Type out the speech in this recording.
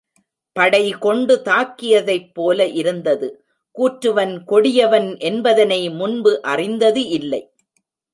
படை கொண்டு தாக்கியதைப் போல இருந்தது. கூற்றுவன் கொடியவன் என்பதனை முன்பு அறிந்தது இல்லை.